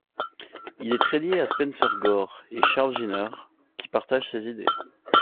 Il est très lié à Spencer Gore et Charles Ginner, qui partagent ses idées.